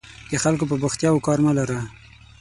د خلکو په بوختیاوو کار مه لره.